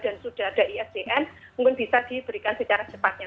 dan sudah ada isdn mungkin bisa diberikan secara cepatnya